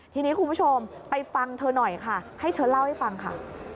ทีนี้คุณผู้ชมไปฟังเธอหน่อยค่ะให้เธอเล่าให้ฟังค่ะ